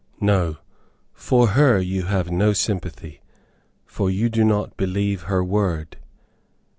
No; for her you have no sympathy, for you do not believe her word.